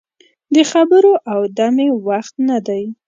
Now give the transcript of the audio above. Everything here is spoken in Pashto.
د خبرو او دمې وخت نه دی.